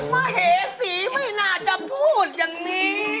มเหสีไม่น่าจะพูดอย่างนี้